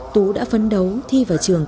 tú đã phấn đấu thi vào trường